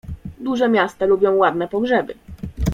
Duże miasta lubią ładne pogrzeby.